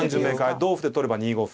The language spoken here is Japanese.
同歩で取れば２五歩。